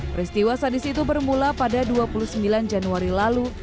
peristiwa sadis itu bermula pada dua puluh sembilan januari lalu